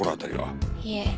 いえ。